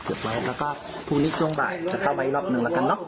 เกือบแล้วแล้วก็พรุ่งนี้ช่วงบ่ายจะตั้งไว้รอบหนึ่งแล้วกันเนอะ